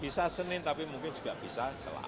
bisa senin tapi mungkin juga bisa